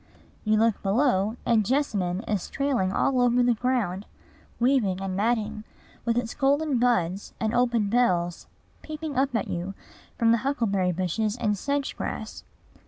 You look below, and jessamine is trailing all over the ground, weaving and matting, with its golden buds and open bells peeping up at you from the huckleberry bushes and sedge grass.